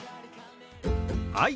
はい。